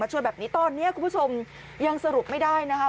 ช่วยแบบนี้ตอนนี้คุณผู้ชมยังสรุปไม่ได้นะคะ